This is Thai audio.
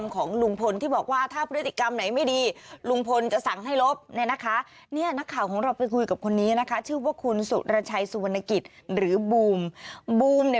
ก็ฝากให้คิดก็แล้วกัน